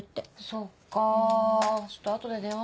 そっかちょっと後で電話してみよ。